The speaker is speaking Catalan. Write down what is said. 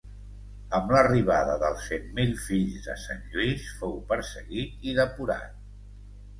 Amb l'arribada dels Cent Mil Fills de Sant Lluís fou perseguit i depurat.